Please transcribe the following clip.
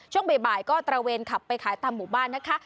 ช่วงบ่ายก็ตระเวนขับไปขายตามหมู่บ้านนะคะ